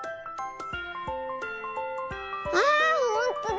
あほんとだ！